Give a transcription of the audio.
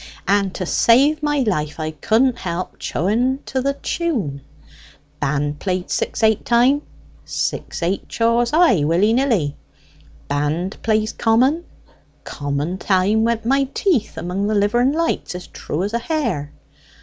and to save my life, I couldn't help chawing to the tune. Band played six eight time; six eight chaws I, willynilly. Band plays common; common time went my teeth among the liver and lights as true as a hair.